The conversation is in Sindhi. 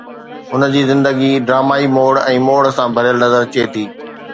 هن جي زندگي ڊرامائي موڙ ۽ موڙ سان ڀريل نظر اچي ٿي